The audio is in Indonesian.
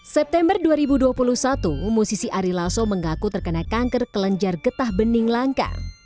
september dua ribu dua puluh satu musisi ari lasso mengaku terkena kanker kelenjar getah bening langka